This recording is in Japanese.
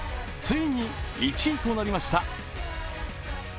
ついに１位となりました。